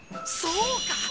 そうか！